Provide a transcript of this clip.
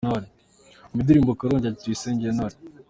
Umva Indirimbo Karongi ya Tuyisenge Intore:.